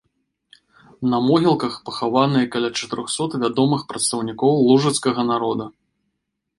На могілках пахаваныя каля чатырохсот вядомых прадстаўнікоў лужыцкага народа.